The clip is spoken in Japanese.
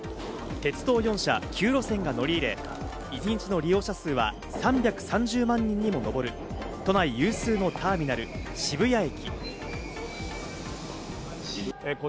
鉄道４社、９路線が乗り入れ、一日の利用者数は３３０万人にも上る都内有数のターミナル・渋谷駅。